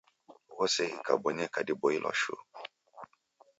Ghose ghikabonyeka dipoilwa shuu.